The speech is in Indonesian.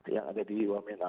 yang ada di wamena